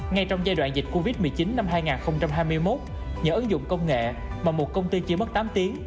ngay trong giai đoạn dịch covid một mươi chín năm hai nghìn hai mươi một nhờ ứng dụng công nghệ mà một công ty chưa mất tám tiếng